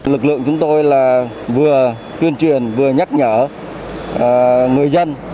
lực lượng chúng tôi là vừa tuyên truyền vừa nhắc nhở người dân